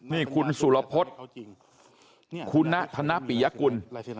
นี่คุณสุรพฤษคุณณธนปิยกุล